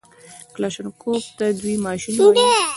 کلاشينکوف ته دوى ماشين وايي.